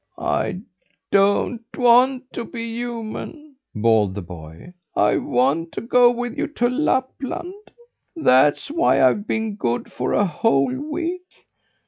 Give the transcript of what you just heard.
"I don't want to be human," bawled the boy. "I want to go with you to Lapland. That's why I've been good for a whole week!"